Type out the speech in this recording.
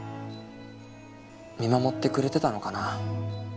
見守ってくれてたのかな